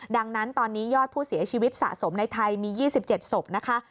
ดังนั้นตอนนี้ยอดผู้เสียชีวิตสะสมในไทยมี๒๗ศพนะคะ